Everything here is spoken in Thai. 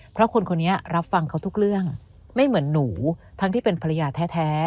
เพราะคนคนนี้รับฟังเขาทุกเรื่องไม่เหมือนหนูทั้งที่เป็นภรรยาแท้